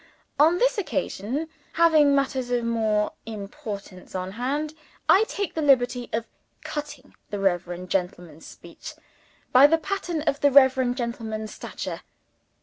On this occasion (having matters of more importance on hand) I take the liberty of cutting the reverend gentleman's speech by the pattern of the reverend gentleman's stature.